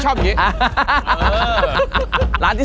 ชอบอย่างนี้